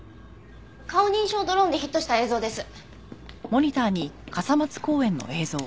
顔認証ドローンでヒットした映像です。